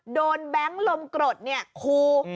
โดนแบงค์ลมกรดเนี่ยคู